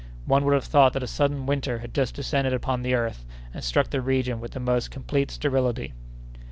One would have thought that a sudden winter had just descended upon the earth and struck the region with the most complete sterility.